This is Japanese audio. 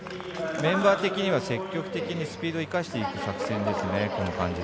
メンバー的には積極的にスピードを生かしていく作戦ですね。